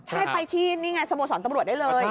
ใช่ไปที่นี่ไงสโมสรตำรวจได้เลย